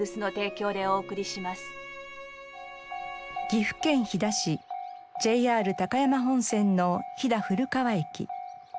岐阜県飛騨市ＪＲ高山本線の飛騨古川駅。